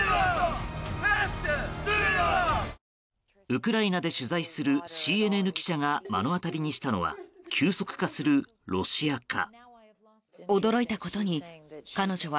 ウクライナで取材するＣＮＮ記者が目の当たりにしたのは急速化するロシア化。